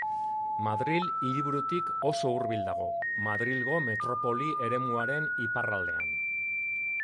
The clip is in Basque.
Madril hiriburutik oso hurbil dago, Madrilgo metropoli eremuaren iparraldean.